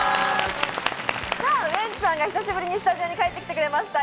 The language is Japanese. ウエンツさんが久しぶりにスタジオに帰ってきてくれました。